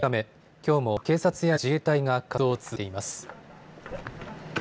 きょうも警察や自衛隊が活動を続けています。